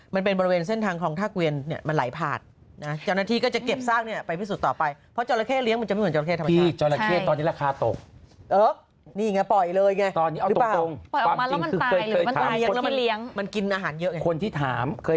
มันเป็นบริเวณเส้นทางครองท่ากวีรนี่มันไหลผ่าด